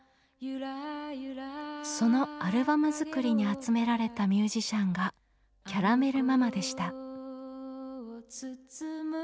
そのアルバム作りに集められたミュージシャンがキャラメル・ママでした。